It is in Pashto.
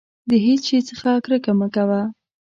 د هېڅ شي څخه کرکه مه کوه.